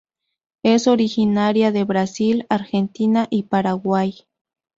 Es originaria de Brasil, Argentina y Paraguay.